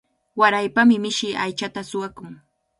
Waraypami mishi aychata suwakun.